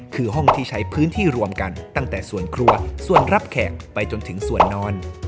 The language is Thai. คือห้องที่ใช้พื้นที่รวมกันตั้งแต่ส่วนครัวส่วนรับแขกไปจนถึงส่วนนอน